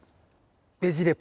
「ベジ・レポ」。